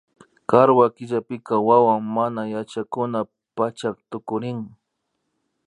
Karwa killapika wawa manayachakuna pachak tukurin